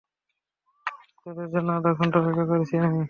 তাদের জন্য আধা ঘন্টা অপেক্ষা করেছি আমি।